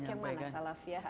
lebih banyak yang mana salafiyah